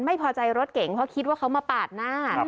ไม่พอใจรถเก่งเพราะคิดว่าเขามาปาดหน้า